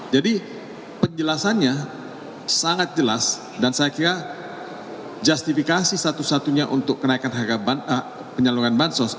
jadi penjelasannya sangat jelas dan saya kira justifikasi satu satunya untuk kenaikan harga penyaluran bansos